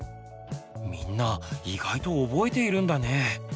みんな意外と覚えているんだね。